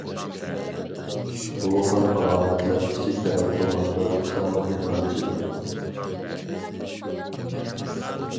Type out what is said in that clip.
بۇ خىل ئالامەتلەر كىچىك تەرەت قىلغاندا تېخىمۇ ئېغىرلىشىدۇ.